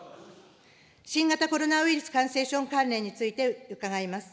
新型コロナウイルス感染症関連について伺います。